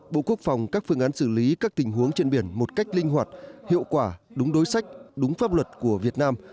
bộ quốc phòng các phương án xử lý các tình huống trên biển một cách linh hoạt hiệu quả đúng đối sách đúng pháp luật của việt nam